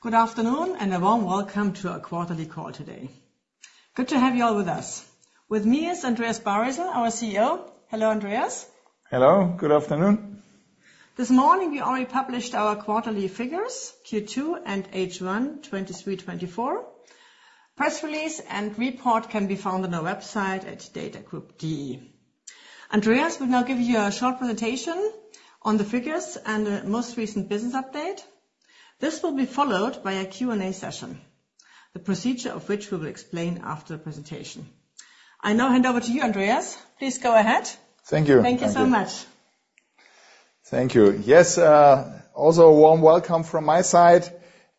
Good afternoon, and a warm welcome to our quarterly call today. Good to have you all with us. With me is Andreas Baresel, our CEO. Hello, Andreas. Hello, good afternoon. This morning, we already published our quarterly figures, Q2 and H1 2023-2024. Press release and report can be found on our website at datagroup.de. Andreas will now give you a short presentation on the figures and the most recent business update. This will be followed by a Q&A session, the procedure of which we will explain after the presentation. I now hand over to you, Andreas. Please go ahead. Thank you. Thank you so much. Thank you. Yes, also a warm welcome from my side.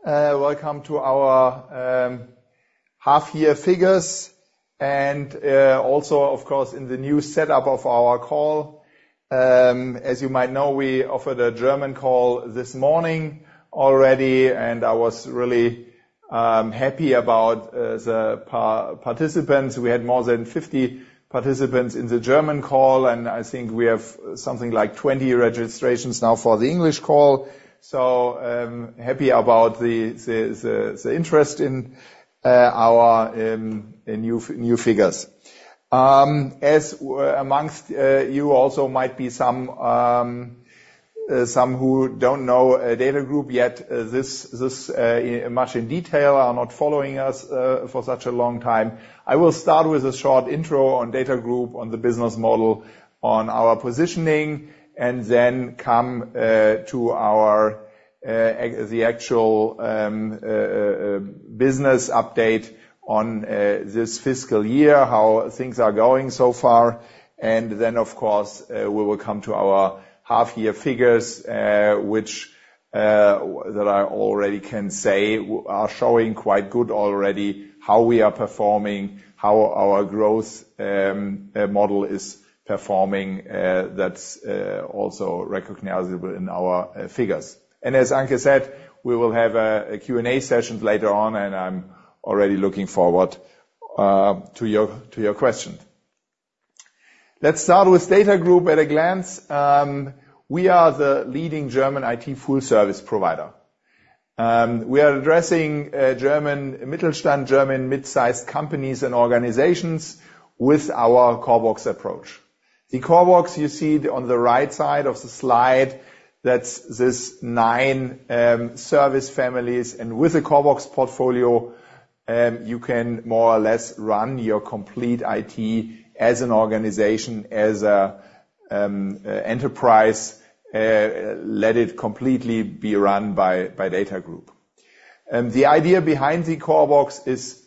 Welcome to our half-year figures and also, of course, in the new setup of our call. As you might know, we offered a German call this morning already, and I was really happy about the participants. We had more than 50 participants in the German call, and I think we have something like 20 registrations now for the English call. So, happy about the interest in our new figures. As amongst you also might be some who don't know DATAGROUP yet, this much in detail, are not following us for such a long time. I will start with a short intro on DATAGROUP, on the business model, on our positioning, and then come to the actual business update on this fiscal year, how things are going so far. And then, of course, we will come to our half-year figures, which I already can say are showing quite good already, how we are performing, how our growth model is performing. That's also recognizable in our figures. And as Anke said, we will have a Q&A session later on, and I'm already looking forward to your question. Let's start with DATAGROUP at a glance. We are the leading German IT full-service provider. We are addressing German Mittelstand, German mid-sized companies and organizations with our CORBOX approach. The CORBOX you see on the right side of the slide, that's this nine service families, and with the CORBOX portfolio, you can more or less run your complete IT as an organization, as a enterprise, let it completely be run by, by DATAGROUP. The idea behind the CORBOX is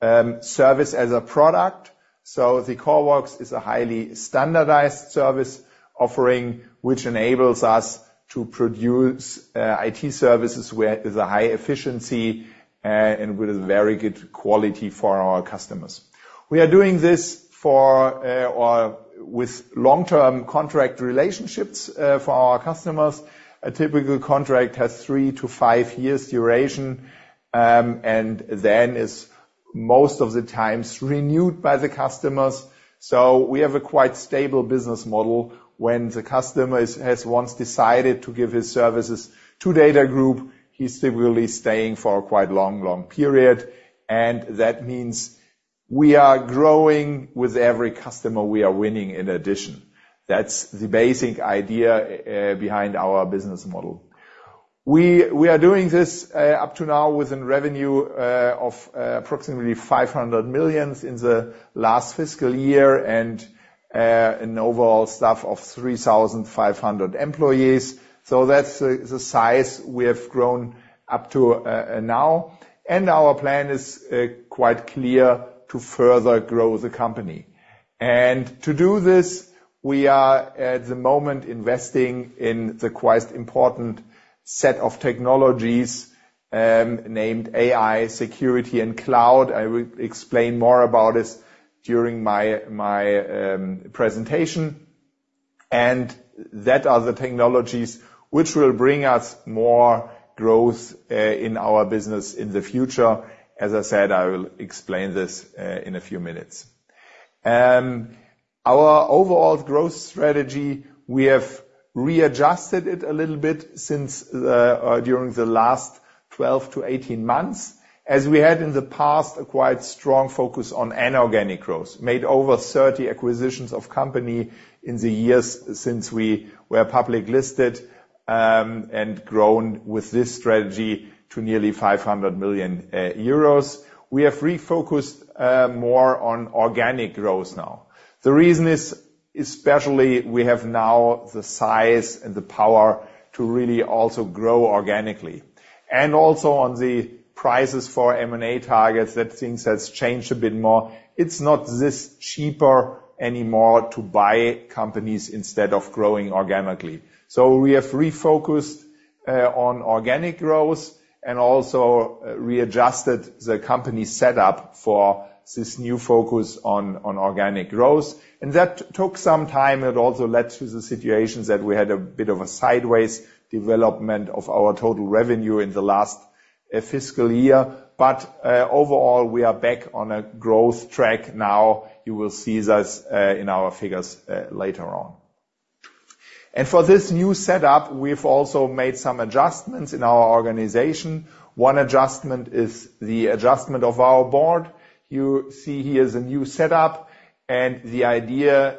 service as a product. So the CORBOX is a highly standardized service offering, which enables us to produce IT services where is a high efficiency, and with a very good quality for our customers. We are doing this for, or with long-term contract relationships for our customers. A typical contract has 3-5 years duration, and then is most of the times renewed by the customers. So we have a quite stable business model. When the customer has once decided to give his services to DATAGROUP, he's typically staying for a quite long, long period, and that means we are growing with every customer we are winning in addition. That's the basic idea behind our business model. We are doing this up to now within revenue of approximately 500 million in the last fiscal year and an overall staff of 3,500 employees. So that's the size we have grown up to now. Our plan is quite clear to further grow the company. To do this, we are at the moment investing in the quite important set of technologies named AI, Security, and Cloud. I will explain more about this during my presentation. And that are the technologies which will bring us more growth in our business in the future. As I said, I will explain this in a few minutes. Our overall growth strategy, we have readjusted it a little bit since the during the last 12-18 months, as we had in the past, a quite strong focus on inorganic growth, made over 30 acquisitions of company in the years since we were public listed, and grown with this strategy to nearly 500 million euros. We have refocused more on organic growth now. The reason is, especially, we have now the size and the power to really also grow organically, and also on the prices for M&A targets, that things has changed a bit more. It's not this cheaper anymore to buy companies instead of growing organically. So we have refocused on organic growth and also readjusted the company setup for this new focus on organic growth, and that took some time. It also led to the situations that we had a bit of a sideways development of our total revenue in the last fiscal year. But overall, we are back on a growth track now. You will see this in our figures later on... And for this new setup, we've also made some adjustments in our organization. One adjustment is the adjustment of our board. You see here the new setup, and the idea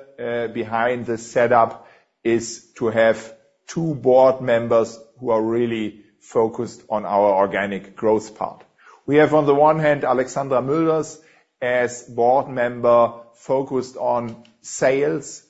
behind the setup is to have two board members who are really focused on our organic growth part. We have, on the one hand, Alexandra Mülders as Board member, focused on sales,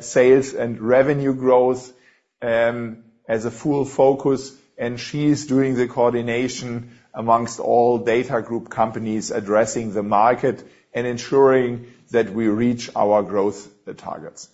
sales and revenue growth, as a full focus, and she's doing the coordination amongst all DATAGROUP companies addressing the market and ensuring that we reach our growth targets.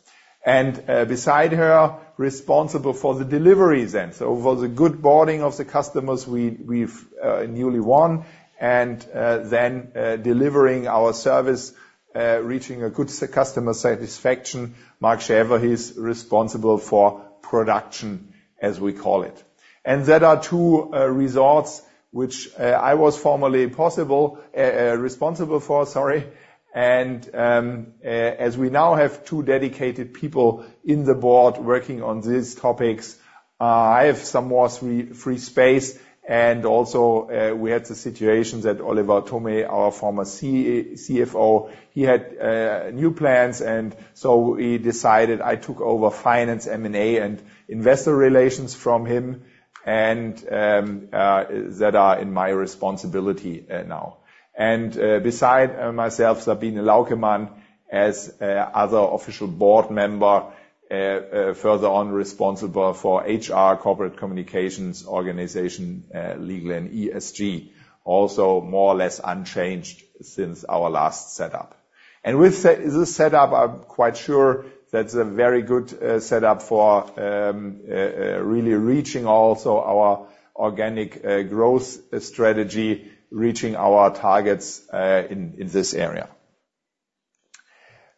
Beside her, responsible for the delivery then, so for the good onboarding of the customers we've newly won, and then delivering our service, reaching a good customer satisfaction, Mark Schäfer, he's responsible for production, as we call it. There are two roles which I was formerly responsible for, sorry. As we now have two dedicated people in the Board working on these topics, I have some more free space. And also, we had the situation that Oliver Thome, our former CFO, he had new plans, and so he decided I took over finance, M&A, and investor relations from him, and that are in my responsibility now. And beside myself, Sabine Laukemann, as other official board member, further on responsible for HR, corporate communications, organization, legal, and ESG, also more or less unchanged since our last setup. And with this setup, I'm quite sure that's a very good setup for really reaching also our organic growth strategy, reaching our targets in this area.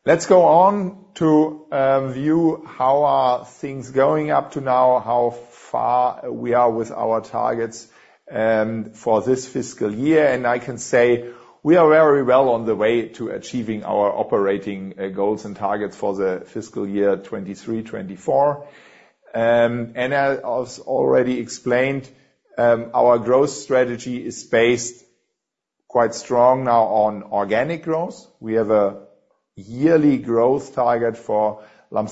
Let's go on to view how are things going up to now, how far we are with our targets for this fiscal year. I can say we are very well on the way to achieving our operating goals and targets for the fiscal year 2023-2024. As I already explained, our growth strategy is based quite strong now on organic growth. We have a yearly growth target for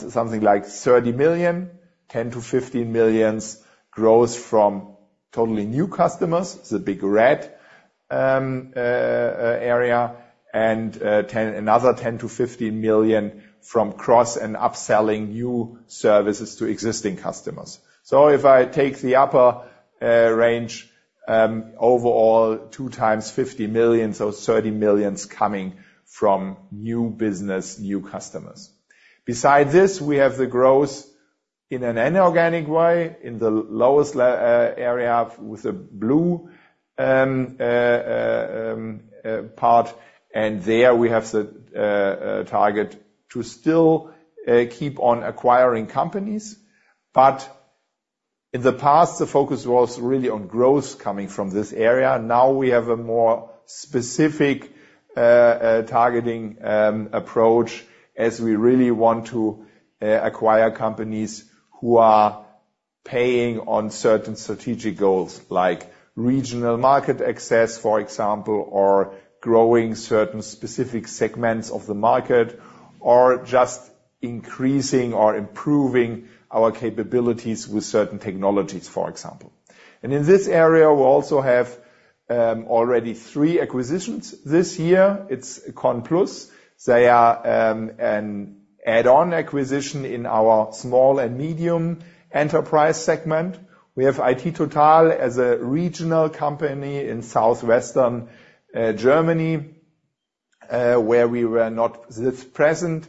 something like 30 million, 10-15 million growth from totally new customers, the big red area, and another 10-15 million from cross and upselling new services to existing customers. So if I take the upper range, overall, 2x 50 million, so 30 millions coming from new business, new customers. Besides this, we have the growth in an inorganic way, in the lowest area with the blue part, and there we have the target to still keep on acquiring companies. But in the past, the focus was really on growth coming from this area. Now we have a more specific targeting approach, as we really want to acquire companies who are paying on certain strategic goals, like regional market access, for example, or growing certain specific segments of the market, or just increasing or improving our capabilities with certain technologies, for example. And in this area, we also have already three acquisitions. This year, it's CONPLUS. They are an add-on acquisition in our small and medium enterprise segment. We have iT TOTAL as a regional company in southwestern Germany, where we were not this present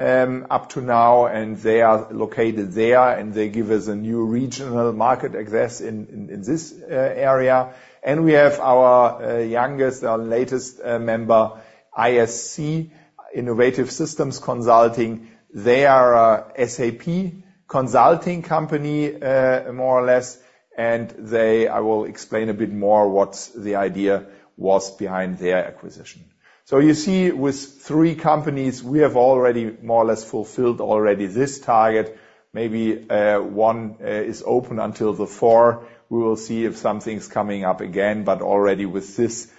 up to now, and they are located there, and they give us a new regional market access in this area. We have our youngest, our latest member, ISC, Innovative Systems Consulting. They are a SAP consulting company, more or less, and they. I will explain a bit more what the idea was behind their acquisition. You see, with three companies, we have already more or less fulfilled this target. Maybe one is open until the 4th. We will see if something's coming up again, but already with this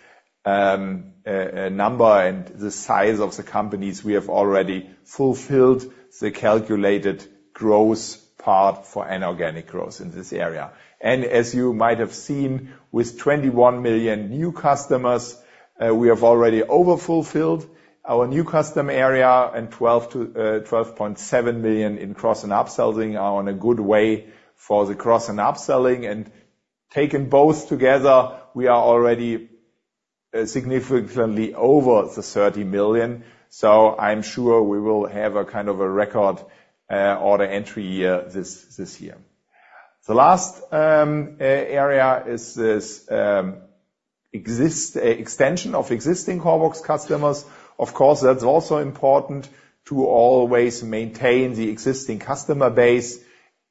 number and the size of the companies, we have already fulfilled the calculated growth part for an organic growth in this area. And as you might have seen, with 21 million new customers, we have already overfulfilled our new customer area, and 12 million-12.7 million in cross and upselling are on a good way for the cross and upselling. Taking both together, we are already significantly over the 30 million. So I'm sure we will have a kind of a record order entry year this year. The last area is this extension of existing CORBOX customers. Of course, that's also important to always maintain the existing customer base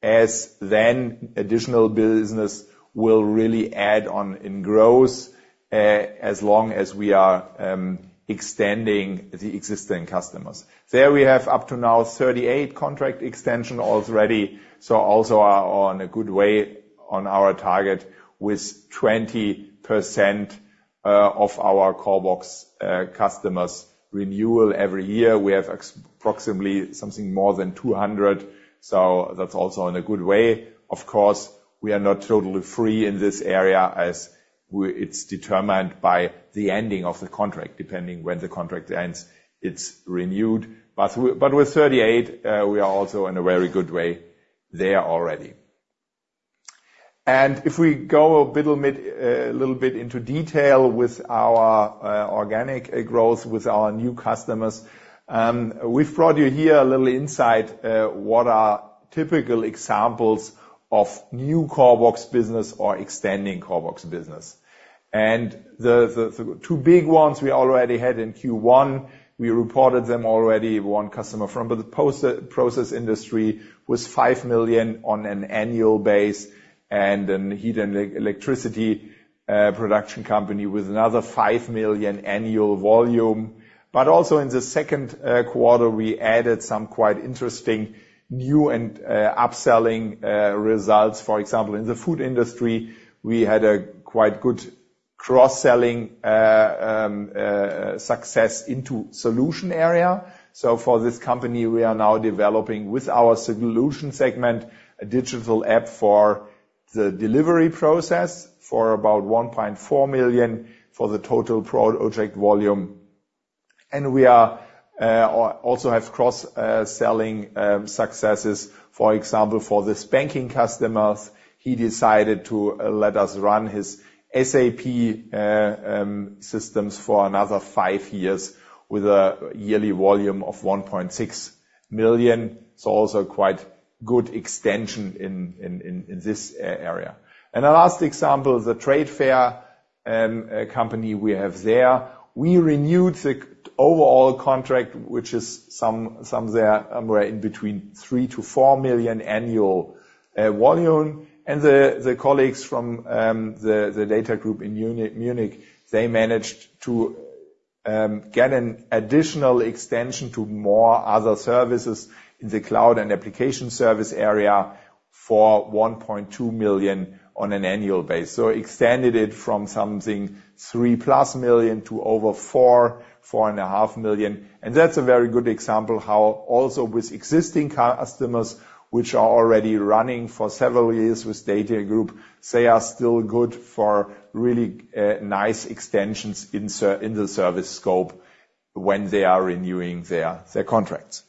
as then additional business will really add on in growth, as long as we are extending the existing customers. There we have up to now 38 contract extension already, so also are on a good way on our target with 20% of our CORBOX customers renewal every year. We have approximately something more than 200, so that's also in a good way. Of course, we are not totally free in this area, as it's determined by the ending of the contract. Depending when the contract ends, it's renewed. But with 38, we are also in a very good way there already. And if we go a little bit into detail with our organic growth with our new customers, we've brought you here a little insight, what are typical examples of new CORBOX business or extending CORBOX business. And the two big ones we already had in Q1, we reported them already. One customer from the process industry was 5 million on an annual basis, and then heat and electricity production company with another 5 million annual volume. But also in the second quarter, we added some quite interesting new and upselling results. For example, in the food industry, we had a quite good cross-selling success into solution area. So for this company, we are now developing with our solution segment a digital app for the delivery process for about 1.4 million for the total project volume. And we are also have cross-selling successes. For example, for this banking customers, he decided to let us run his SAP systems for another five years with a yearly volume of 1.6 million. It's also quite good extension in this area. And the last example, the trade fair company we have there. We renewed the overall contract, which is somewhere in between 3 million-4 million annual volume. The colleagues from the DATAGROUP in Munich, they managed to get an additional extension to more other services in the cloud and application service area for 1.2 million on an annual basis. So extended it from something 3+ million to over 4, 4.5 million. And that's a very good example how also with existing customers, which are already running for several years with DATAGROUP, they are still good for really nice extensions in the service scope when they are renewing their contracts.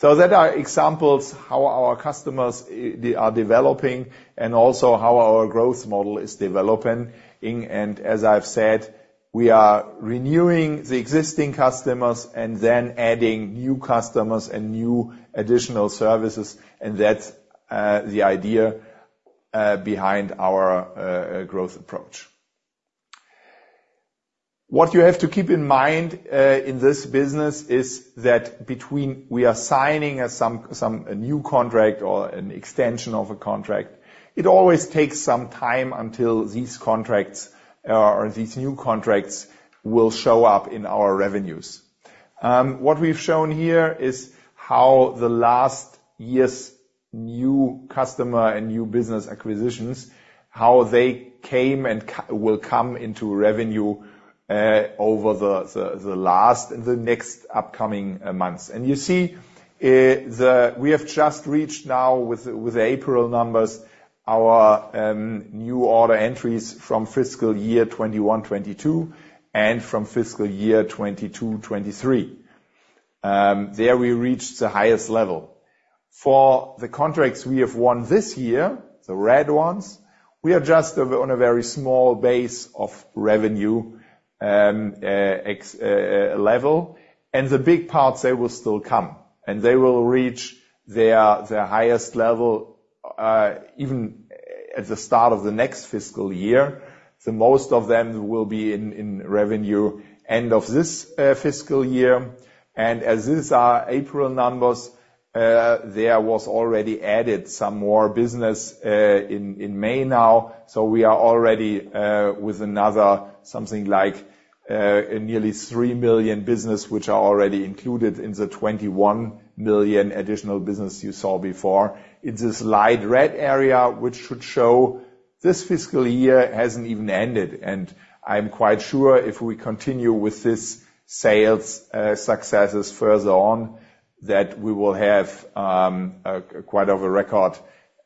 So that are examples how our customers they are developing and also how our growth model is developing. And as I've said, we are renewing the existing customers and then adding new customers and new additional services, and that's the idea behind our growth approach. What you have to keep in mind in this business is that between we are signing a new contract or an extension of a contract, it always takes some time until these contracts or these new contracts will show up in our revenues. What we've shown here is how the last year's new customer and new business acquisitions, how they came and will come into revenue over the next upcoming months. And you see, we have just reached now with the April numbers our new order entries from fiscal year 2021, 2022, and from fiscal year 2022, 2023. There, we reached the highest level. For the contracts we have won this year, the red ones, we are just on a very small base of revenue existing level, and the big parts, they will still come, and they will reach their highest level even at the start of the next fiscal year. So most of them will be in revenue end of this fiscal year. And as these are April numbers, there was already added some more business in May now. So we are already with another, something like nearly 3 million business, which are already included in the 21 million additional business you saw before. It's this light red area, which should show this fiscal year hasn't even ended, and I'm quite sure if we continue with this sales successes further on, that we will have quite a record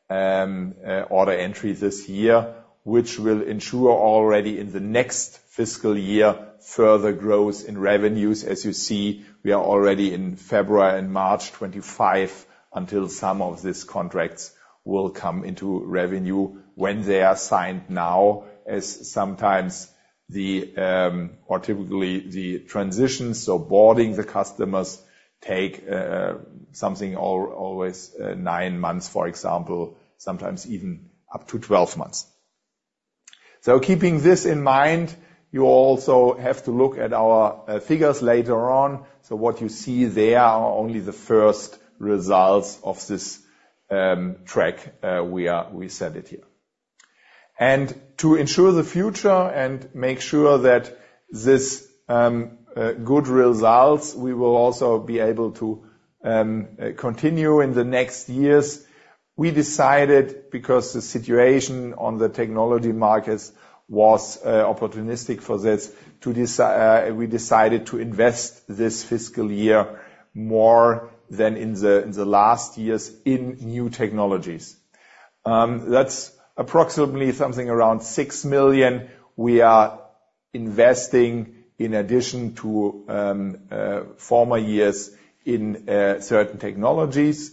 order entry this year, which will ensure already in the next fiscal year, further growth in revenues. As you see, we are already in February and March 2025 until some of these contracts will come into revenue when they are signed now, as sometimes or typically the transitions or onboarding the customers take something always nine months, for example, sometimes even up to twelve months. So keeping this in mind, you also have to look at our figures later on. So what you see there are only the first results of this track we set it here. To ensure the future and make sure that this good results, we will also be able to continue in the next years. We decided, because the situation on the technology markets was opportunistic for this, we decided to invest this fiscal year more than in the last years in new technologies. That's approximately something around 6 million we are investing in addition to former years in certain technologies.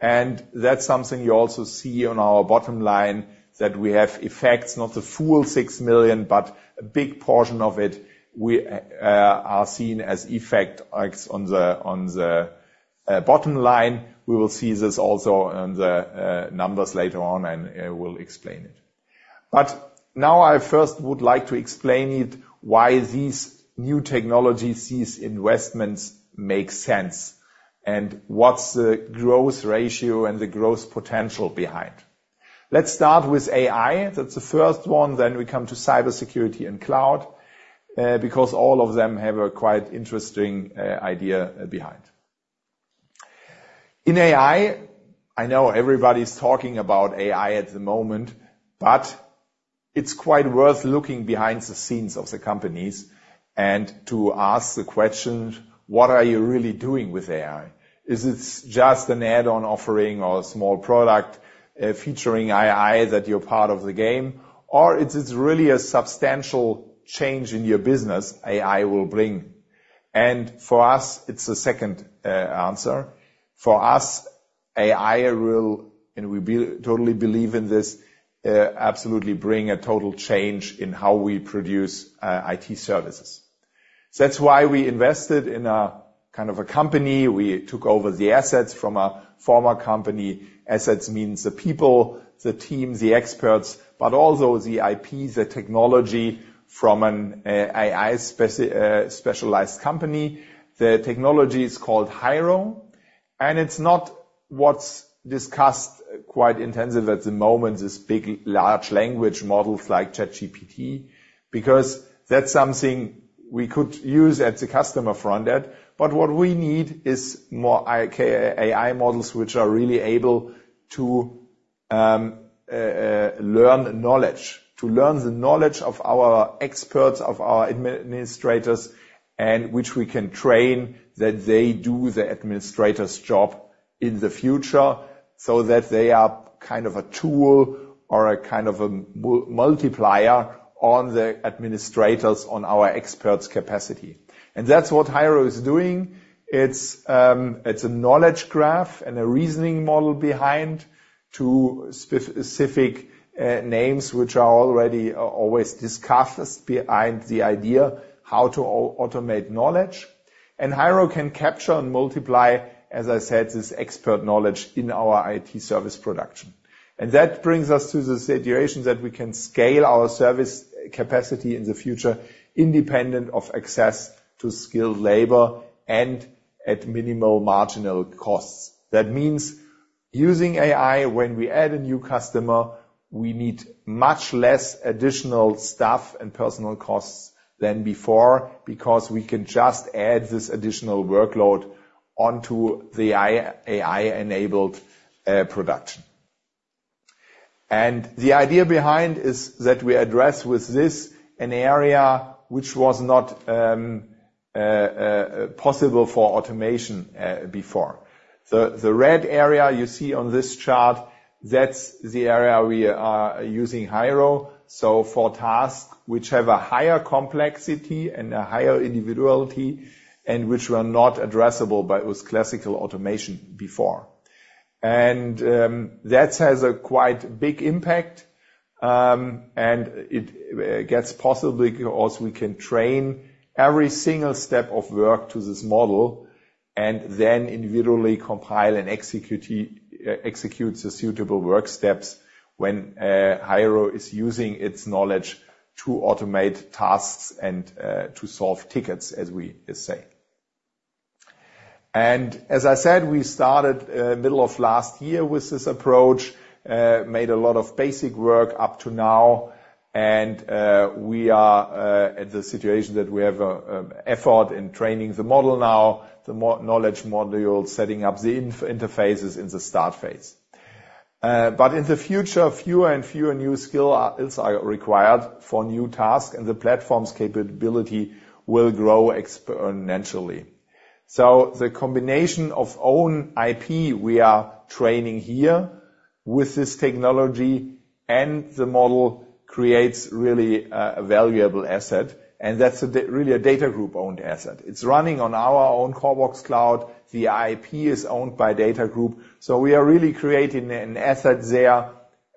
And that's something you also see on our bottom line, that we have effects, not the full 6 million, but a big portion of it, we are seeing as effect on the on the bottom line. We will see this also on the numbers later on, and we'll explain it. Now I first would like to explain it: why these new technologies, these investments make sense, and what's the growth ratio and the growth potential behind. Let's start with AI. That's the first one. We come to cybersecurity and cloud, because all of them have a quite interesting idea behind. In AI, I know everybody's talking about AI at the moment, but it's quite worth looking behind the scenes of the companies and to ask the question: what are you really doing with AI? Is it just an add-on offering or a small product featuring AI that you're part of the game, or it is really a substantial change in your business AI will bring? For us, it's the second answer. For us, AI will, and we totally believe in this, absolutely bring a total change in how we produce, IT services. So that's why we invested in a kind of a company. We took over the assets from a former company. Assets means the people, the team, the experts, but also the IP, the technology from an, AI specialized company. The technology is called HIRO, and it's not what's discussed quite intensive at the moment, this big, large language models like ChatGPT, because that's something we could use at the customer front end. But what we need is more AI models, which are really able to learn knowledge, to learn the knowledge of our experts, of our administrators, and which we can train, that they do the administrator's job in the future, so that they are kind of a tool or a kind of a multiplier on the administrators, on our experts' capacity. And that's what HIRO is doing. It's a knowledge graph and a reasoning model behind two specific names, which are already always discussed behind the idea how to automate knowledge. And HIRO can capture and multiply, as I said, this expert knowledge in our IT service production. And that brings us to the situation that we can scale our service capacity in the future, independent of access to skilled labor and at minimal marginal costs. That means using AI, when we add a new customer, we need much less additional staff and personnel costs than before, because we can just add this additional workload onto the AI, AI-enabled production. The idea behind is that we address with this an area which was not possible for automation before. The red area you see on this chart, that's the area we are using HIRO, so for tasks which have a higher complexity and a higher individuality, and which were not addressable with classical automation before. That has a quite big impact, and it gets possibly, because also we can train every single step of work to this model and then individually compile and execute the suitable work steps when HIRO is using its knowledge to automate tasks and to solve tickets, as we are saying. As I said, we started middle of last year with this approach, made a lot of basic work up to now, and we are at the situation that we have effort in training the model now, the knowledge module, setting up the interfaces in the start phase. But in the future, fewer and fewer new skills are required for new tasks, and the platform's capability will grow exponentially. So the combination of own IP we are training here with this technology and the model creates really a valuable asset, and that's really a DATAGROUP-owned asset. It's running on our own CORBOX cloud. The IP is owned by DATAGROUP. So we are really creating an asset there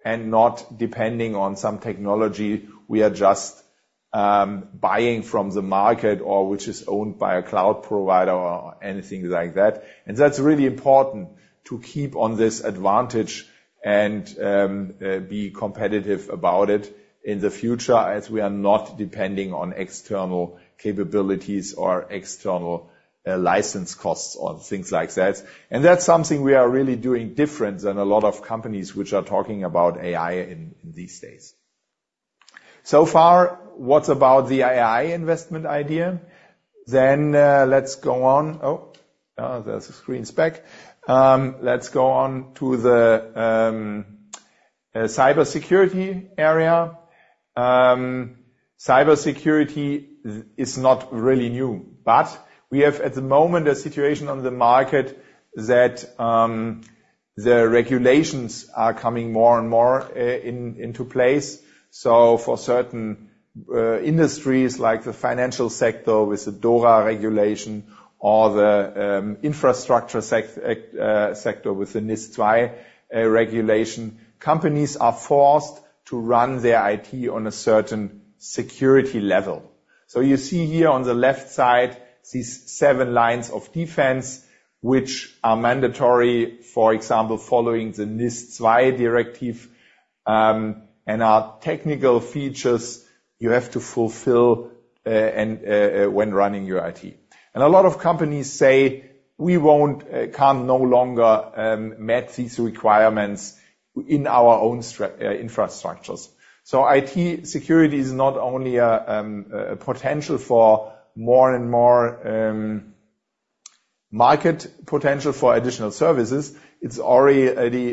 and not depending on some technology we are just using buying from the market or which is owned by a cloud provider or anything like that. And that's really important to keep on this advantage and be competitive about it in the future, as we are not depending on external capabilities or external license costs or things like that. And that's something we are really doing different than a lot of companies which are talking about AI in these days. So far, what about the AI investment idea? Then, let's go on. Oh, the screen is back. Let's go on to the cybersecurity area. Cybersecurity is not really new, but we have, at the moment, a situation on the market that the regulations are coming more and more into place. So for certain industries, like the financial sector with the DORA regulation or the infrastructure sector with the NIS2 regulation, companies are forced to run their IT on a certain security level. So you see here on the left side, these seven lines of defense, which are mandatory, for example, following the NIS2 directive, and are technical features you have to fulfill, and when running your IT. A lot of companies say: We can no longer meet these requirements in our own infrastructures. So IT security is not only a potential for more and more market potential for additional services, it's already,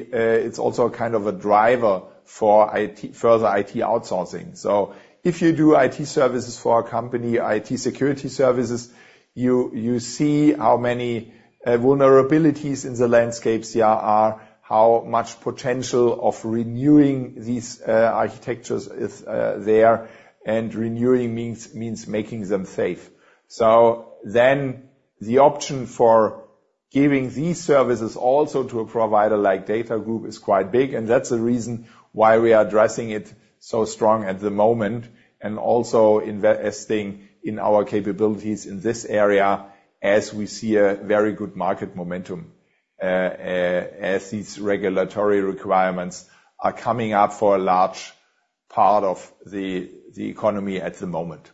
it's also a kind of a driver for IT further IT outsourcing. So if you do IT services for a company, IT security services, you, you see how many vulnerabilities in the landscapes there are, how much potential of renewing these architectures is there, and renewing means making them safe. So then the option for giving these services also to a provider like DATAGROUP is quite big, and that's the reason why we are addressing it so strong at the moment, and also investing in our capabilities in this area, as we see a very good market momentum, as these regulatory requirements are coming up for a large part of the economy at the moment.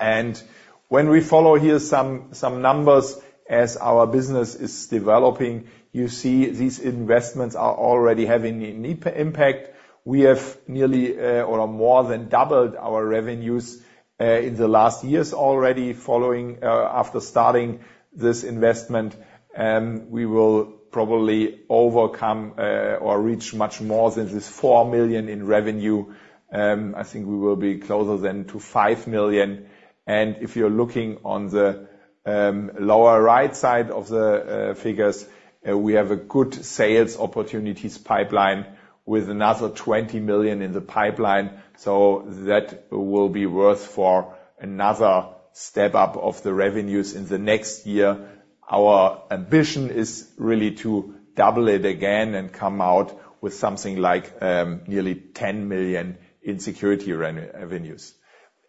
And when we follow here some numbers as our business is developing, you see these investments are already having an impact. We have nearly or more than doubled our revenues in the last years already, following after starting this investment. We will probably overcome or reach much more than this 4 million in revenue. I think we will be closer than to 5 million. And if you're looking on the lower right side of the figures, we have a good sales opportunities pipeline with another 20 million in the pipeline, so that will be worth for another step up of the revenues in the next year. Our ambition is really to double it again and come out with something like nearly 10 million in security revenues.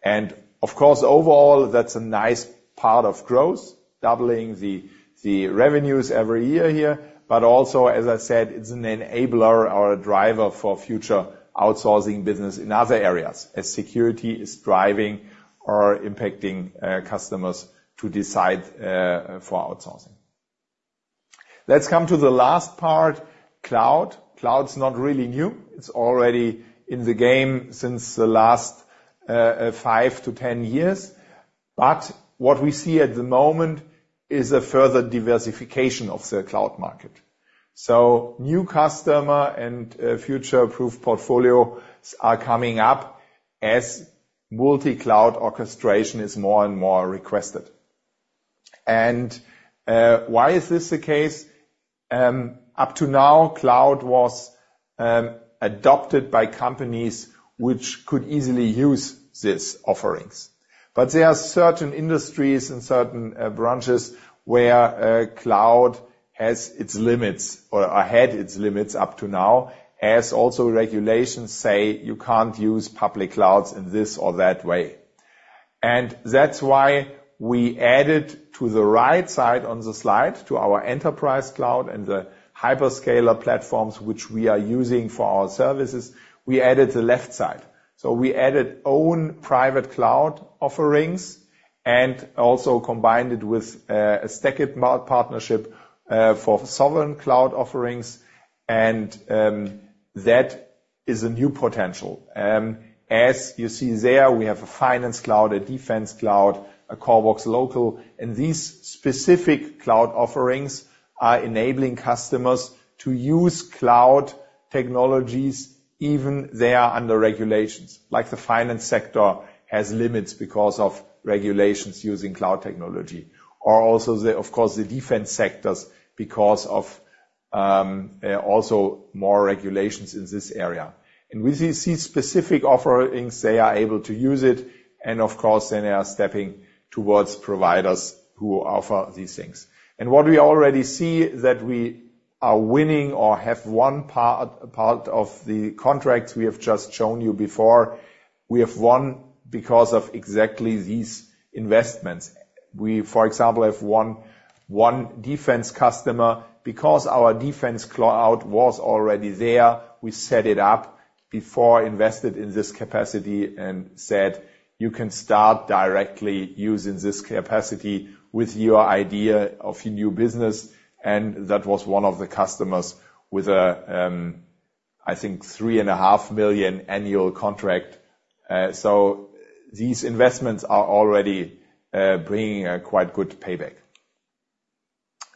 Of course, overall, that's a nice part of growth, doubling the revenues every year here. But also, as I said, it's an enabler or a driver for future outsourcing business in other areas, as security is driving or impacting customers to decide for outsourcing. Let's come to the last part: cloud. Cloud's not really new. It's already in the game since the last 5-10 years. But what we see at the moment is a further diversification of the cloud market. So new customer and future-proof portfolios are coming up as multi-cloud orchestration is more and more requested. And why is this the case? Up to now, cloud was adopted by companies which could easily use these offerings. But there are certain industries and certain branches where cloud has its limits or had its limits up to now, as also regulations say you can't use public clouds in this or that way. And that's why we added to the right side on the slide, to our enterprise cloud and the hyperscaler platforms, which we are using for our services, we added the left side. So we added own private cloud offerings and also combined it with a STACKIT partnership for sovereign cloud offerings, and that is a new potential. As you see there, we have a finance cloud, a defense cloud, a CORBOX Local. And these specific cloud offerings are enabling customers to use cloud technologies, even they are under regulations. Like the finance sector has limits because of regulations using cloud technology, or also the, of course, the defense sectors because of also more regulations in this area. And with these specific offerings, they are able to use it, and of course, they are stepping towards providers who offer these things. And what we already see that we are winning or have won part of the contracts we have just shown you before. We have won because of exactly these investments. We, for example, have won one defense customer, because our defense cloud was already there, we set it up before invested in this capacity and said, "You can start directly using this capacity with your idea of your new business." And that was one of the customers with a, I think, 3.5 million annual contract. So these investments are already bringing a quite good payback.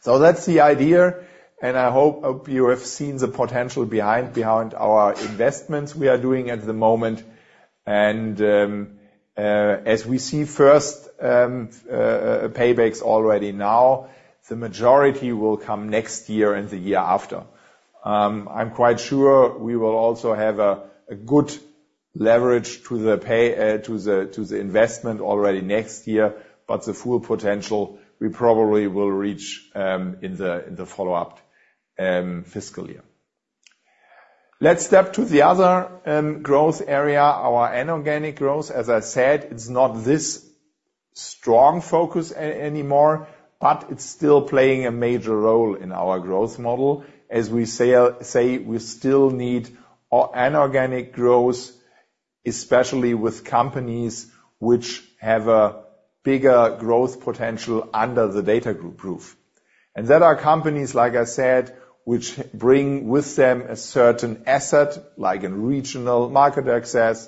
So that's the idea, and I hope you have seen the potential behind our investments we are doing at the moment. As we see first paybacks already now, the majority will come next year and the year after. I'm quite sure we will also have a good leverage to the investment already next year, but the full potential we probably will reach in the follow-up fiscal year. Let's step to the other growth area, our inorganic growth. As I said, it's not this strong focus anymore, but it's still playing a major role in our growth model. As we say, we still need inorganic growth, especially with companies which have a bigger growth potential under the DATAGROUP roof. There are companies, like I said, which bring with them a certain asset, like in regional market access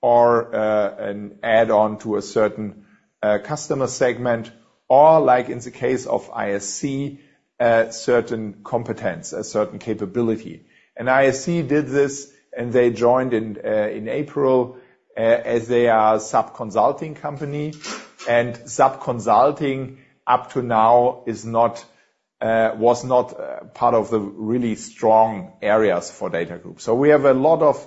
or an add-on to a certain customer segment, or like in the case of ISC, a certain competence, a certain capability. And ISC did this, and they joined in April, as they are a SAP consulting company. And SAP consulting, up to now, was not part of the really strong areas for DATAGROUP. So we have a lot of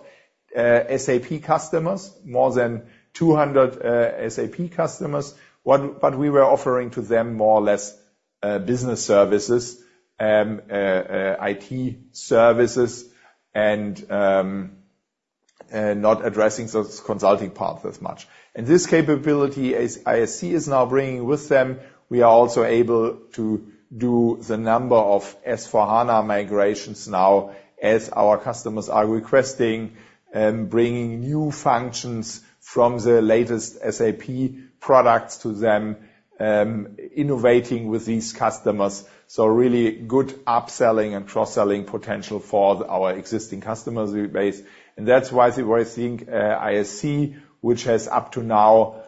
SAP customers, more than 200 SAP customers. But we were offering to them more or less business services, IT services, and not addressing those consulting parts as much. And this capability, ISC is now bringing with them, we are also able to do the number of S/4HANA migrations now, as our customers are requesting, bringing new functions from the latest SAP products to them, innovating with these customers. So really good upselling and cross-selling potential for our existing customer base. And that's why we think, ISC, which has up to now,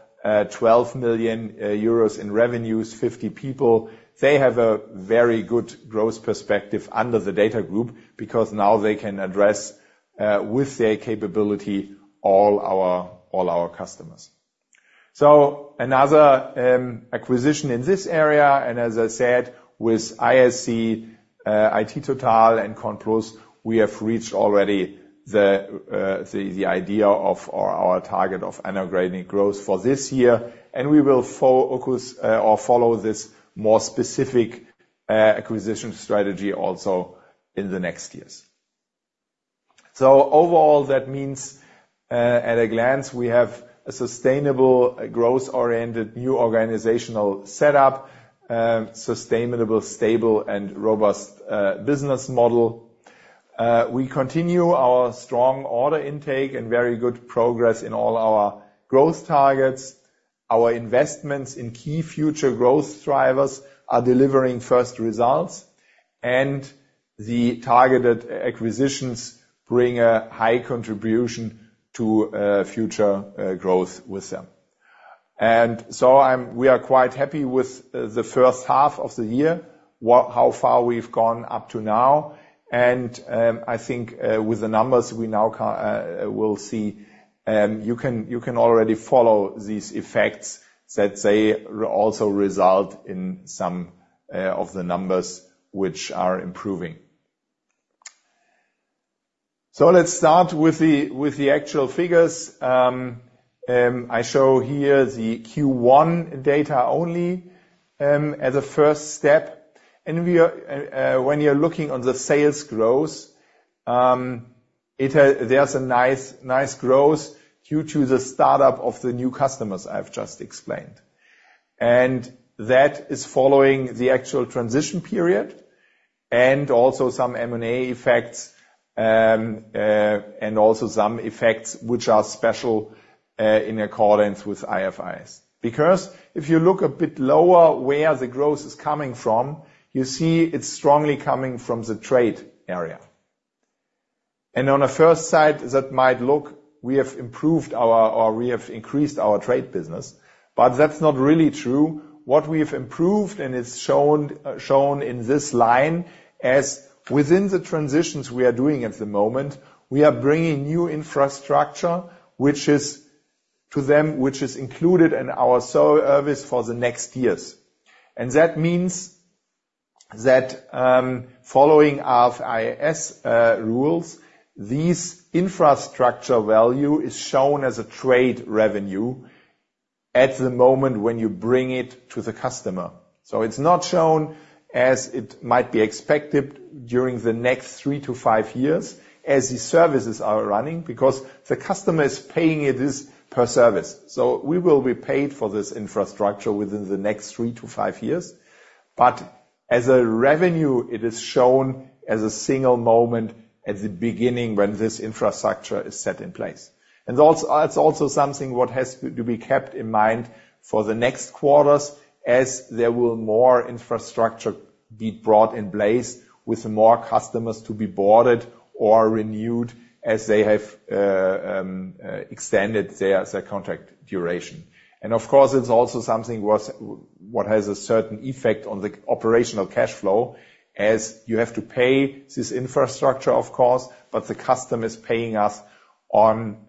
12 million euros in revenues, 50 people, they have a very good growth perspective under DATAGROUP, because now they can address, with their capability, all our, all our customers. So another acquisition in this area, and as I said, with ISC, iT TOTAL and CONPLUS, we have reached already the idea of our target of integrating growth for this year, and we will focus or follow this more specific acquisition strategy also in the next years. So overall, that means at a glance, we have a sustainable, growth-oriented, new organizational setup, sustainable, stable, and robust business model. We continue our strong order intake and very good progress in all our growth targets. Our investments in key future growth drivers are delivering first results, and the targeted acquisitions bring a high contribution to future growth with them. And so we are quite happy with the first half of the year, how far we've gone up to now. I think, with the numbers we now we'll see, you can, you can already follow these effects, that they also result in some of the numbers which are improving. So let's start with the actual figures. I show here the Q1 data only, as a first step. And we are, when you're looking on the sales growth, there's a nice, nice growth due to the startup of the new customers I've just explained. And that is following the actual transition period and also some M&A effects, and also some effects which are special, in accordance with IFRS. Because if you look a bit lower, where the growth is coming from, you see it's strongly coming from the trade area. On a first sight, that might look we have improved our, or we have increased our trade business, but that's not really true. What we've improved, and it's shown in this line, as within the transitions we are doing at the moment, we are bringing new infrastructure, which is to them, which is included in our service for the next years. And that means that, following IFRS rules, this infrastructure value is shown as a trade revenue... at the moment when you bring it to the customer. So it's not shown as it might be expected during the next 3-5 years as these services are running, because the customer is paying it this per service. So we will be paid for this infrastructure within the next 3-5 years. But as a revenue, it is shown as a single moment at the beginning when this infrastructure is set in place. And also, it's also something what has to be kept in mind for the next quarters, as there will more infrastructure be brought in place with more customers to be boarded or renewed as they have extended their contract duration. And of course, it's also something what has a certain effect on the operational cash flow, as you have to pay this infrastructure, of course, but the customer is paying us on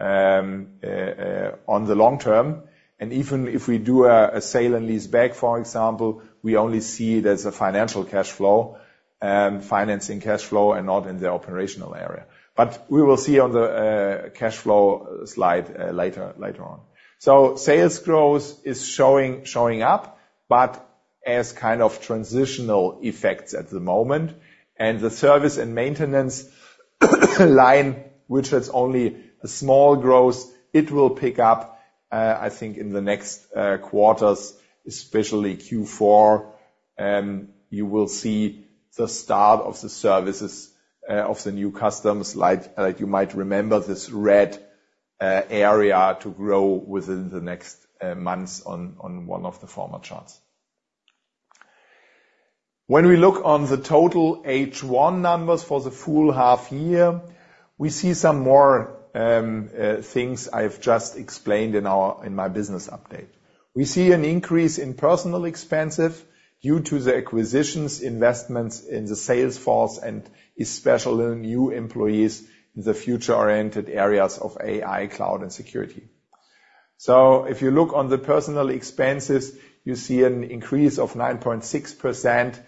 the long term. And even if we do a sale and lease back, for example, we only see it as a financial cash flow and financing cash flow, and not in the operational area. But we will see on the cash flow slide later on. Sales growth is showing up, but as kind of transitional effects at the moment. The service and maintenance line, which has only a small growth, it will pick up, I think, in the next quarters, especially Q4. You will see the start of the services of the new customers, like, you might remember this red area to grow within the next months on one of the former charts. When we look on the total H1 numbers for the full half year, we see some more things I've just explained in my business update. We see an increase in personnel expenses due to the acquisitions, investments in the sales force, and especially in new employees in the future-oriented areas of AI, cloud, and security. So if you look on the personnel expenses, you see an increase of 9.6%,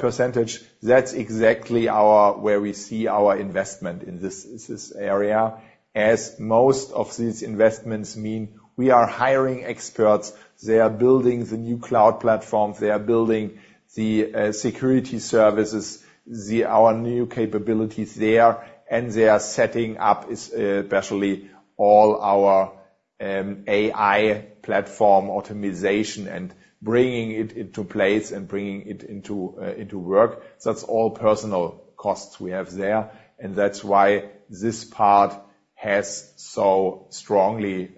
percentage. That's exactly where we see our investment in this area, as most of these investments mean we are hiring experts. They are building the new cloud platform, they are building the security services, our new capabilities there, and they are setting up especially all our AI platform optimization, and bringing it into place and bringing it into work. So that's all personnel costs we have there, and that's why this part has so strongly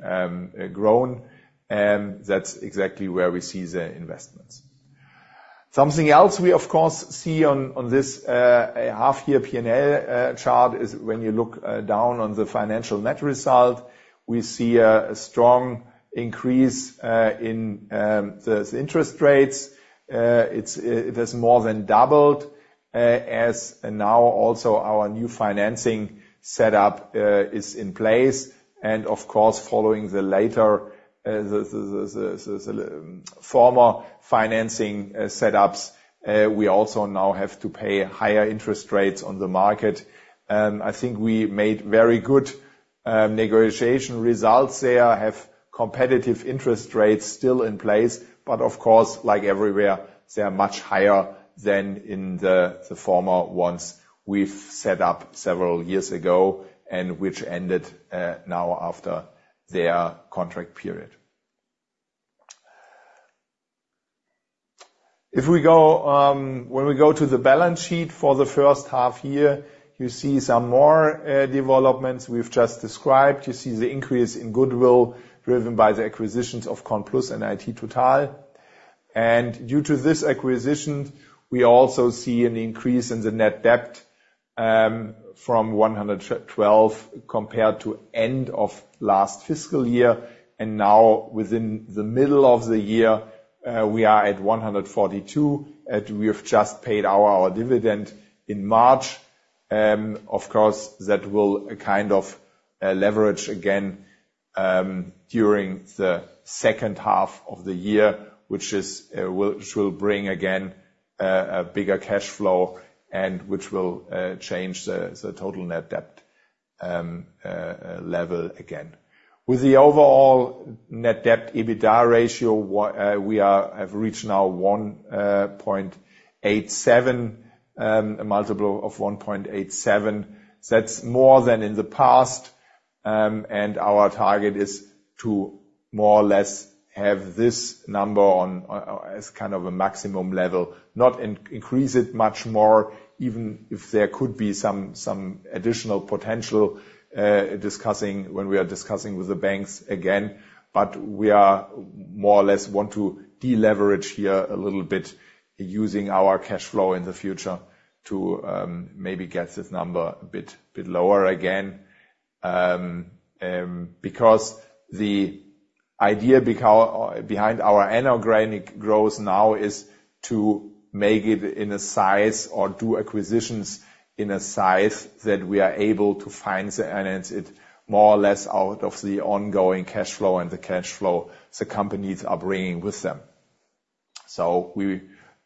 grown, and that's exactly where we see the investments. Something else we, of course, see on this half year P&L chart is when you look down on the financial net result, we see a strong increase in the interest rates. It has more than doubled as now also our new financing setup is in place. And of course, following the latter, the former financing setups we also now have to pay higher interest rates on the market. I think we made very good negotiation results there, have competitive interest rates still in place, but of course, like everywhere, they are much higher than in the former ones we've set up several years ago and which ended now after their contract period. If we go... When we go to the balance sheet for the first half year, you see some more developments we've just described. You see the increase in goodwill, driven by the acquisitions of CONPLUS and iT TOTAL. Due to this acquisition, we also see an increase in the net debt from 112 compared to end of last fiscal year. Now within the middle of the year, we are at 142, and we have just paid our dividend in March. Of course, that will kind of leverage again during the second half of the year, which will bring again a bigger cash flow and which will change the total net debt level again. With the overall net debt EBITDA ratio, we have reached now 1.87, a multiple of 1.87. That's more than in the past, and our target is to more or less have this number on as kind of a maximum level, not increase it much more, even if there could be some additional potential, discussing when we are discussing with the banks again. But we are more or less want to deleverage here a little bit, using our cash flow in the future to maybe get this number a bit lower again. Because the idea behind our inorganic growth now is to make it in a size or do acquisitions in a size that we are able to finance it, more or less out of the ongoing cash flow and the cash flow the companies are bringing with them. So we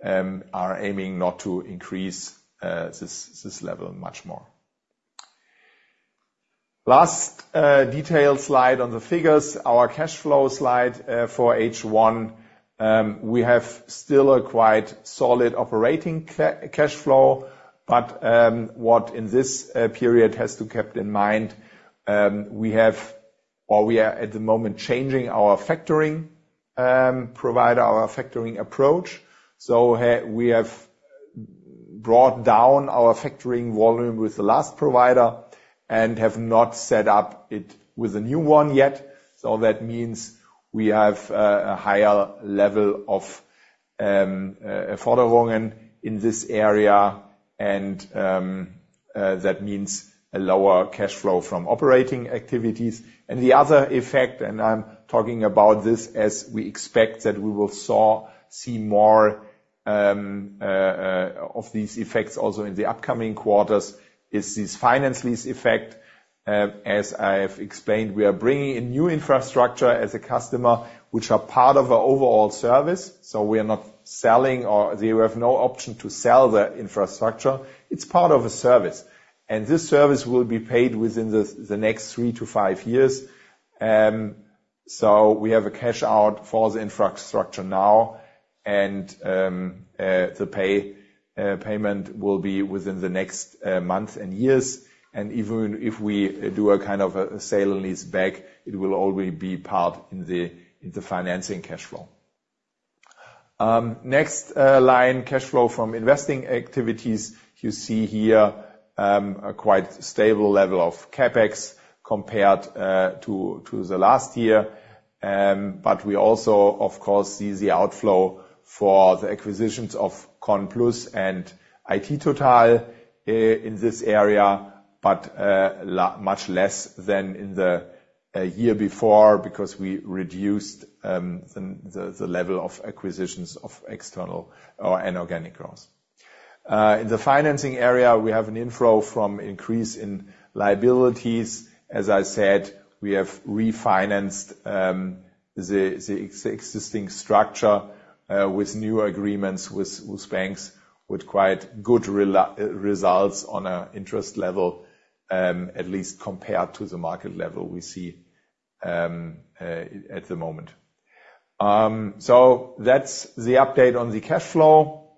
are aiming not to increase this level much more. Last detail slide on the figures, our cash flow slide for H1. We have still a quite solid operating cash flow, but what in this period has to kept in mind, we have or we are at the moment changing our factoring provider, our factoring approach. So we have brought down our factoring volume with the last provider and have not set up it with a new one yet. So that means we have a higher level of in this area, and that means a lower cash flow from operating activities. The other effect, and I'm talking about this as we expect that we will see more of these effects also in the upcoming quarters, is this finance lease effect. As I have explained, we are bringing in new infrastructure as a customer, which are part of our overall service, so we are not selling, or we have no option to sell the infrastructure. It's part of a service, and this service will be paid within the next 3-5 years. So we have a cash out for the infrastructure now, and the payment will be within the next month and years. And even if we do a kind of a sale and lease back, it will already be part in the, in the financing cash flow. Next line, cash flow from investing activities. You see here a quite stable level of CapEx compared to the last year. But we also, of course, see the outflow for the acquisitions of ConPlus and IT Total in this area, but much less than in the year before, because we reduced the level of acquisitions of external or inorganic growth. In the financing area, we have an inflow from increase in liabilities. As I said, we have refinanced the existing structure with new agreements with banks, with quite good results on interest level, at least compared to the market level we see at the moment. So that's the update on the cash flow,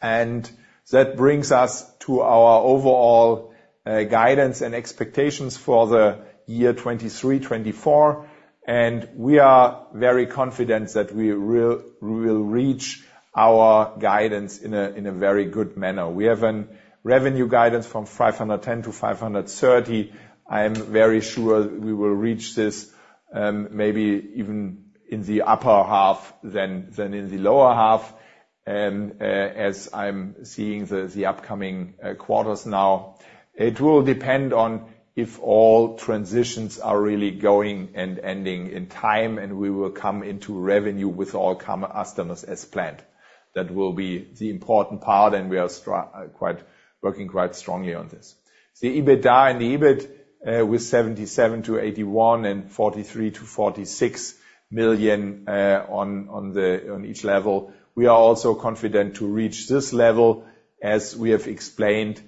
and that brings us to our overall guidance and expectations for the year 2023-2024. We are very confident that we will, we will reach our guidance in a very good manner. We have an revenue guidance from 510 million-530 million. I am very sure we will reach this, maybe even in the upper half than in the lower half. As I'm seeing the upcoming quarters now, it will depend on if all transitions are really going and ending in time, and we will come into revenue with all customers as planned. That will be the important part, and we are working quite strongly on this. The EBITDA and the EBIT with 77-81 million and 43-46 million on each level, we are also confident to reach this level. As we have explained,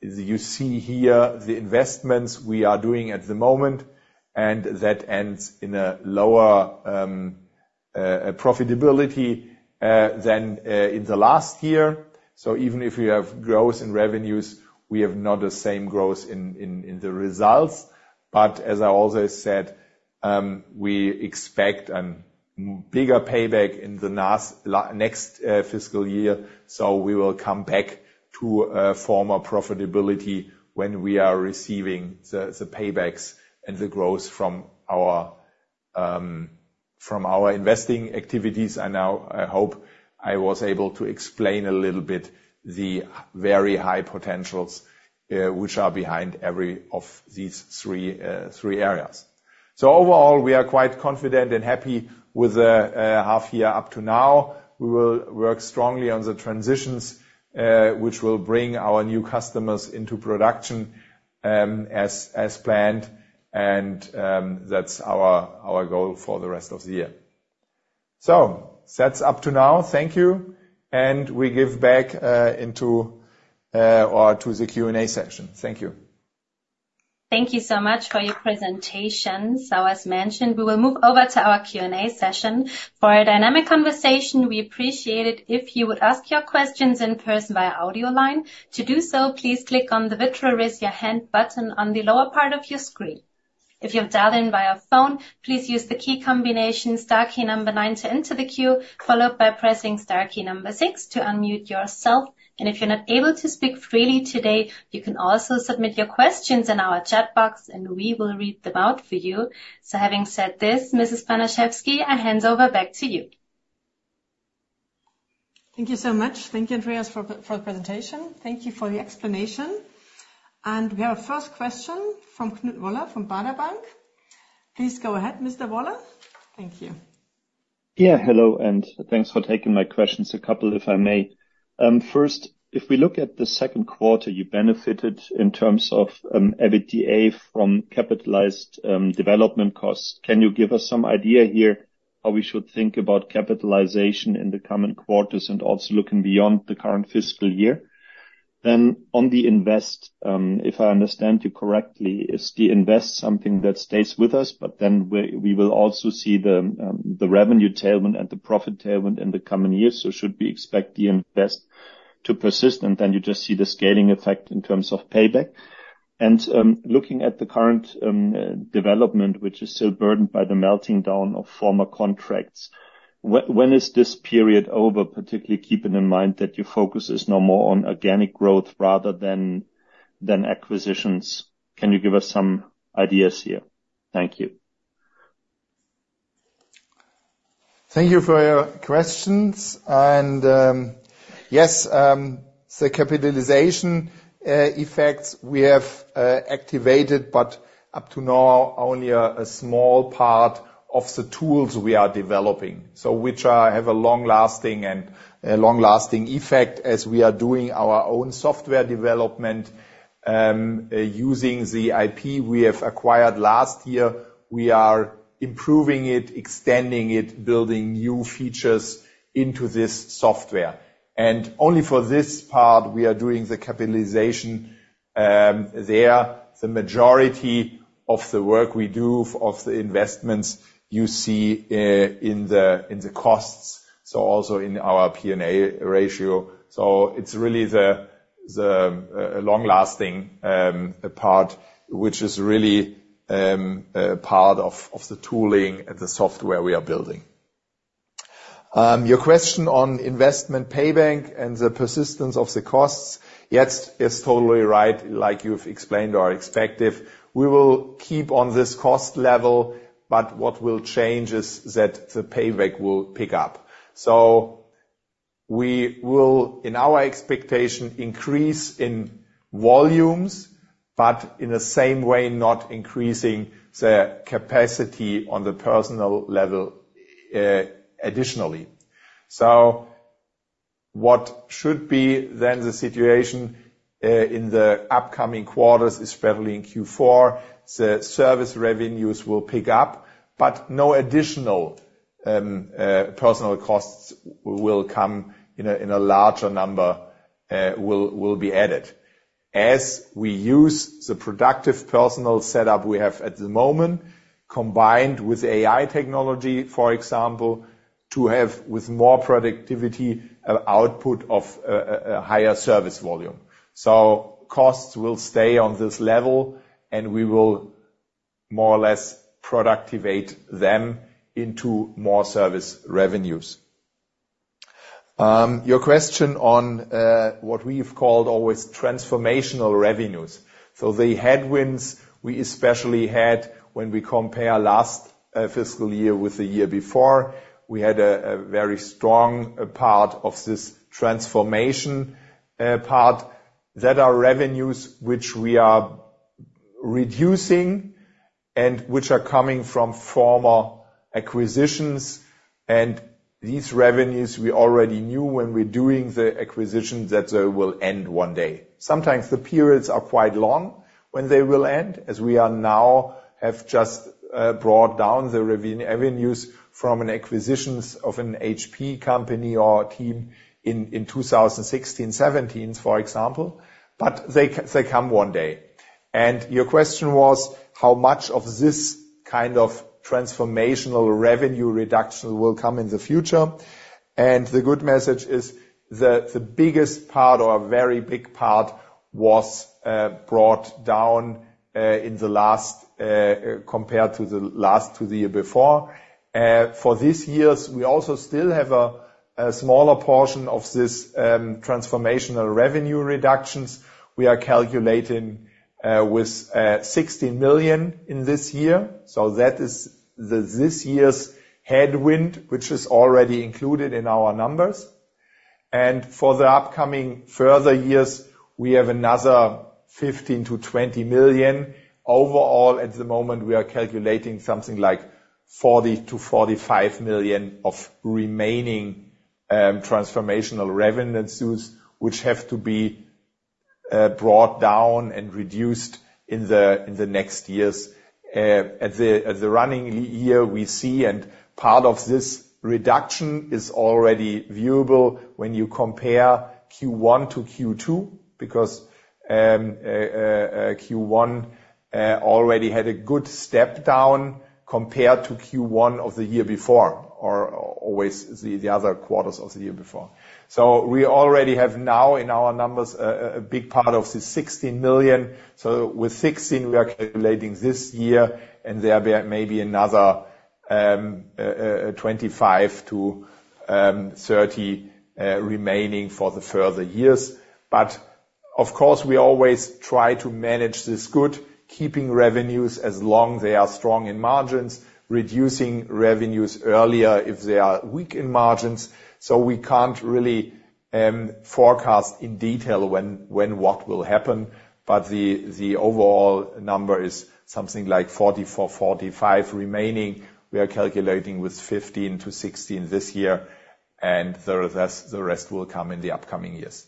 you see here the investments we are doing at the moment, and that ends in a lower profitability than in the last year. So even if we have growth in revenues, we have not the same growth in the results. But as I also said, we expect a bigger payback in the next fiscal year, so we will come back to former profitability when we are receiving the paybacks and the growth from our investing activities. And now I hope I was able to explain a little bit the very high potentials which are behind every of these three areas. So overall, we are quite confident and happy with the half year up to now. We will work strongly on the transitions which will bring our new customers into production as planned, and that's our goal for the rest of the year. So that's up to now. Thank you, and we give back into or to the Q&A session. Thank you. Thank you so much for your presentation. As mentioned, we will move over to our Q&A session. For a dynamic conversation, we appreciate it if you would ask your questions in person via audio line. To do so, please click on the virtual raise your hand button on the lower part of your screen. If you've dialed in via phone, please use the key combination star key number nine to enter the queue, followed by pressing star key number six to unmute yourself. And if you're not able to speak freely today, you can also submit your questions in our chat box, and we will read them out for you. Having said this, Mrs. Banaschewski, I hand over back to you. Thank you so much. Thank you, Andreas, for the presentation. Thank you for the explanation. We have our first question from Knut Woller, from Baader Bank. Please go ahead, Mr. Woller. Thank you. Yeah, hello, and thanks for taking my questions. A couple, if I may. First, if we look at the second quarter, you benefited in terms of EBITDA from capitalized development costs. Can you give us some idea here how we should think about capitalization in the coming quarters, and also looking beyond the current fiscal year. Then on the invest, if I understand you correctly, is the invest something that stays with us, but then we, we will also see the the revenue tailwind and the profit tailwind in the coming years? So should we expect the invest to persist, and then you just see the scaling effect in terms of payback? Looking at the current development, which is still burdened by the melting down of former contracts, when is this period over, particularly keeping in mind that your focus is now more on organic growth rather than acquisitions? Can you give us some ideas here? Thank you. Thank you for your questions. Yes, the capitalization effects we have activated, but up to now, only a small part of the tools we are developing, so which have a long-lasting and a long-lasting effect as we are doing our own software development, using the IP we have acquired last year. We are improving it, extending it, building new features into this software. And only for this part, we are doing the capitalization. There, the majority of the work we do, of the investments you see in the costs, so also in our P&A ratio. So it's really the long-lasting part, which is really a part of the tooling and the software we are building. Your question on investment payback and the persistence of the costs, yes, is totally right, like you've explained or expected. We will keep on this cost level, but what will change is that the payback will pick up. So we will, in our expectation, increase in volumes, but in the same way, not increasing the capacity on the personal level, additionally. So what should be then the situation in the upcoming quarters, especially in Q4, the service revenues will pick up, but no additional personal costs will come in a larger number, will, will be added. As we use the productive personal setup we have at the moment, combined with AI technology, for example, to have, with more productivity, an output of a higher service volume. So costs will stay on this level, and we will more or less productivate them into more service revenues. Your question on what we've called always transformational revenues. So the headwinds we especially had when we compare last fiscal year with the year before, we had a very strong part of this transformation part. That are revenues which we are reducing and which are coming from former acquisitions, and these revenues, we already knew when we're doing the acquisition, that they will end one day. Sometimes the periods are quite long when they will end, as we are now have just brought down the revenues from an acquisition of an HP company or team in 2016, 2017, for example, but they come one day. Your question was, how much of this kind of transformational revenue reduction will come in the future? The good message is the biggest part or a very big part was brought down in the last compared to the last, to the year before. For this year, we also still have a smaller portion of this transformational revenue reductions. We are calculating with 16 million in this year, so that is this year's headwind, which is already included in our numbers. For the upcoming further years, we have another 15 million-20 million. Overall, at the moment, we are calculating something like 40 million-45 million of remaining transformational revenue cuts, which have to be brought down and reduced in the next years. At the running year, we see, and part of this reduction is already viewable when you compare Q1-Q2, because Q1 already had a good step down compared to Q1 of the year before, or always the other quarters of the year before. So we already have now in our numbers, a big part of the 16 million. So with 16 million, we are calculating this year, and there be maybe another 25-30 remaining for the further years. But of course, we always try to manage this good, keeping revenues as long they are strong in margins, reducing revenues earlier if they are weak in margins. So we can't really forecast in detail when what will happen, but the overall number is something like 44-45 remaining. We are calculating with 15-16 this year, and the rest will come in the upcoming years.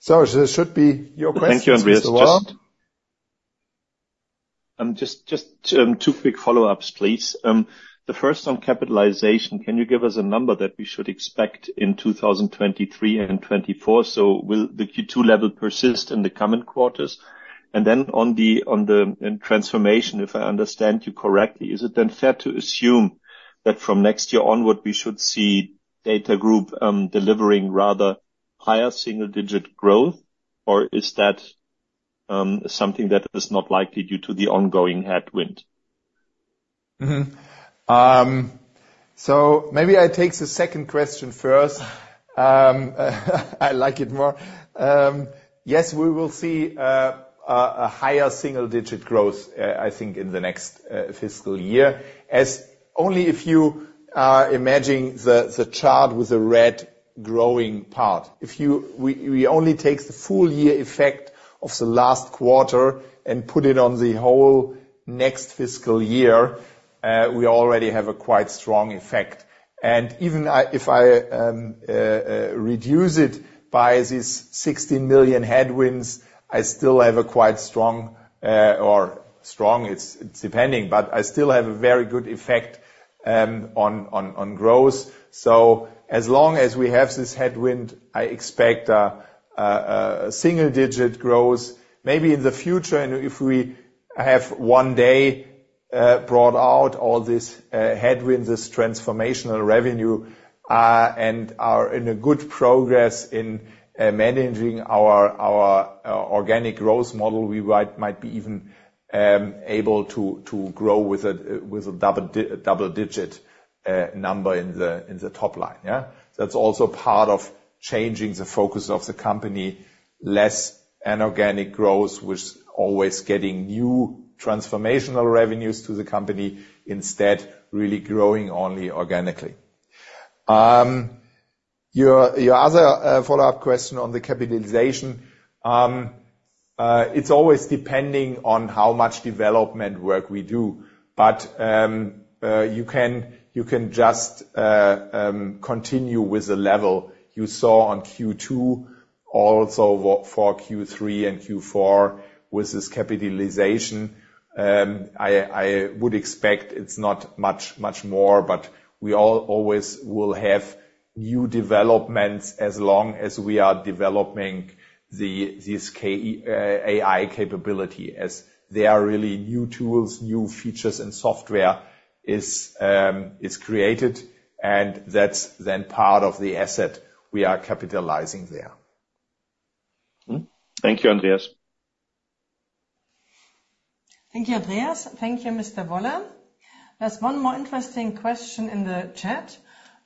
So this should be your questions, Mr. Woller? Thank you, Andreas. Just two quick follow-ups, please. The first on capitalization, can you give us a number that we should expect in 2023 and 2024? So will the Q2 level persist in the coming quarters? And then on the digital transformation, if I understand you correctly, is it then fair to assume that from next year onward, we should see DATAGROUP delivering rather higher single-digit growth? Or is that something that is not likely due to the ongoing headwind? Mm-hmm. So maybe I take the second question first. I like it more. Yes, we will see a higher single-digit growth, I think in the next fiscal year, as only if you imagine the chart with the red growing part. If you-- we only take the full year effect of the last quarter and put it on the whole next fiscal year, we already have a quite strong effect. And even if I reduce it by these 16 million headwinds, I still have a quite strong, or strong, it's depending, but I still have a very good effect on growth. So as long as we have this headwind, I expect single-digit growth. Maybe in the future, and if we have one day brought out all this headwind, this transformational revenue, and are in a good progress in managing our organic growth model, we might be even able to grow with a double-digit number in the top line, yeah? That's also part of changing the focus of the company, less inorganic growth, which always getting new transformational revenues to the company, instead, really growing only organically. Your other follow-up question on the capitalization. It's always depending on how much development work we do. But you can just continue with the level you saw on Q2, also for Q3 and Q4, with this capitalization. I would expect it's not much more, but we always will have new developments as long as we are developing this key AI capability, as there are really new tools, new features, and software is created, and that's then part of the asset we are capitalizing there. Mm-hmm. Thank you, Andreas. Thank you, Andreas. Thank you, Mr. Woller. There's one more interesting question in the chat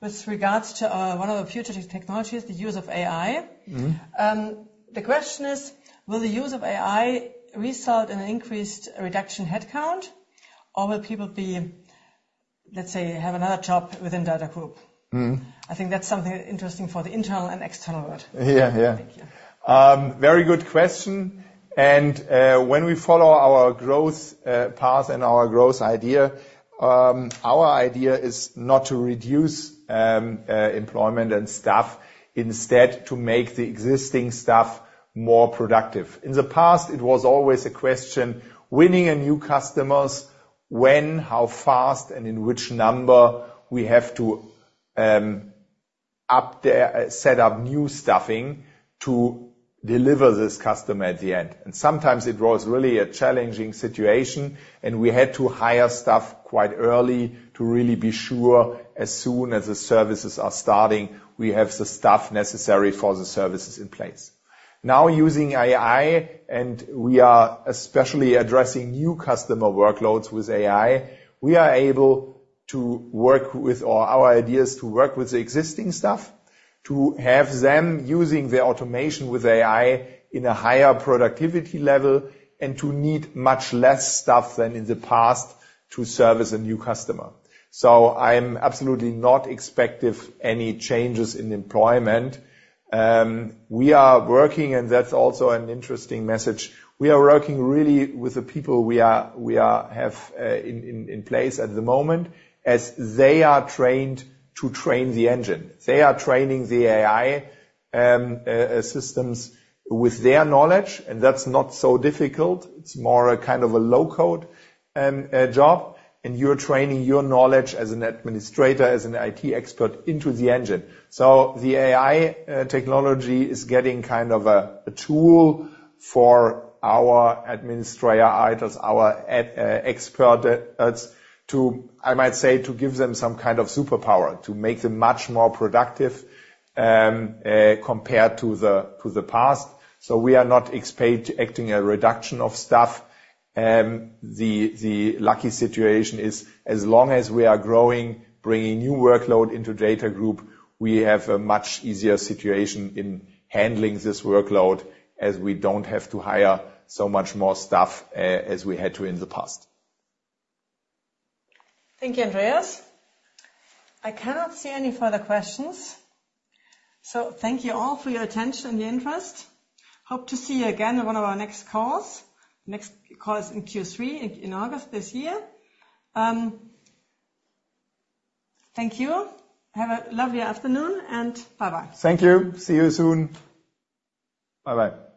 with regards to one of the future technologies, the use of AI. Mm-hmm. The question is, will the use of AI result in an increased reduction in headcount, or will people be, let's say, have another job within DATAGROUP? Mm-hmm. I think that's something interesting for the internal and external world. Yeah. Yeah. Thank you. Very good question, and when we follow our growth path and our growth idea, our idea is not to reduce employment and staff, instead, to make the existing staff more productive. In the past, it was always a question, winning new customers, when, how fast, and in which number we have to set up new staffing to deliver this customer at the end. And sometimes it was really a challenging situation, and we had to hire staff quite early to really be sure as soon as the services are starting, we have the staff necessary for the services in place. Now, using AI, and we are especially addressing new customer workloads with AI, we are able to work with... or our idea is to work with the existing staff, to have them using the automation with AI in a higher productivity level, and to need much less staff than in the past to service a new customer. So I'm absolutely not expecting any changes in employment. We are working, and that's also an interesting message, we are working really with the people we have in place at the moment, as they are trained to train the engine. They are training the AI systems with their knowledge, and that's not so difficult. It's more a kind of a low-code job, and you're training your knowledge as an administrator, as an IT expert into the engine. So the AI technology is getting kind of a tool for our administrator, either our experts, I might say, to give them some kind of superpower, to make them much more productive, compared to the past. So we are not expecting a reduction of staff. The lucky situation is, as long as we are growing, bringing new workload into DATAGROUP, we have a much easier situation in handling this workload, as we don't have to hire so much more staff, as we had to in the past. Thank you, Andreas. I cannot see any further questions. Thank you all for your attention and your interest. Hope to see you again on one of our next calls. Next call is in Q3, in August this year. Thank you. Have a lovely afternoon, and bye-bye. Thank you. See you soon. Bye-bye.